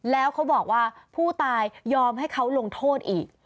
แล้วเขาบอกว่าผู้ตายยอมให้เขาลงโทษอีก